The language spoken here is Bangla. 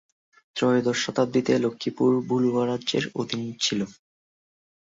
ত্রয়োদশ শতাব্দীতে লক্ষ্মীপুর ভুলুয়া রাজ্যের অধীন ছিল।